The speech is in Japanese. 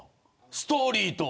ストーリーと。